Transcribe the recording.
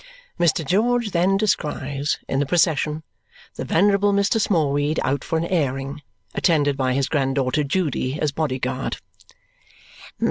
Mr. George then descries, in the procession, the venerable Mr. Smallweed out for an airing, attended by his granddaughter Judy as body guard.